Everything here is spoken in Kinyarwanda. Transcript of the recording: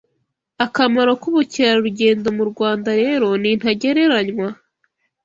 Akamaro k’ubukerarugendo mu Rwanda rero ni ntagereranywa